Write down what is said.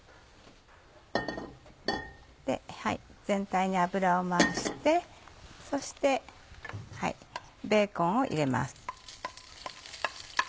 全体に油を回してそしてベーコンを入れます。